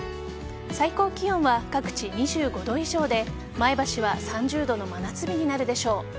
最高気温は各地２５度以上で前橋は３０度の真夏日になるでしょう。